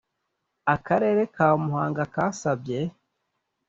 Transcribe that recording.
akarere ka muhanga kasabye